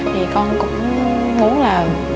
thì con cũng muốn là